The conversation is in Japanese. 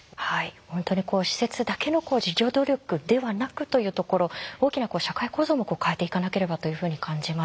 本当に施設だけの自助努力ではなくというところ大きな社会構造も変えていかなければというふうに感じます。